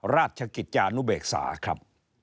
ราชกิจจานุเบกษาครับ